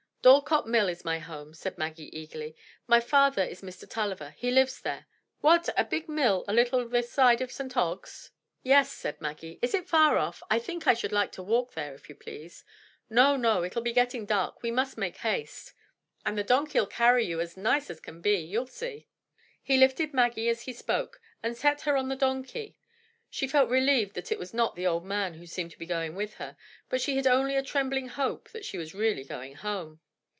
"Dorlcote Mill is my home," said Maggie eagerly. "My father is Mr. TuUiver. He lives there." "What! a big mill a little way this side o' St. Ogg's?" 247 MY BOOK HOUSE "Yes," said Maggie. "Is it far off? I think I should like to walk there, if you please." "No, no, it'll be getting dark; we must make haste. And the donkey'U carry you as nice as can be; you'll see." He lifted Maggie as he spoke, and set her on the donkey. She felt relieved that it was not the old man who seemed to be going with her, but she had only a trembling hope that she was really going home.